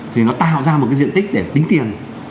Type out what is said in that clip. thì nó tạo ra một cái diện tích để tính tiền